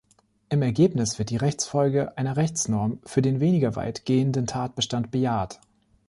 Im Ergebnis wird die Rechtsfolge einer Rechtsnorm für den weniger weit gehenden Tatbestand bejaht.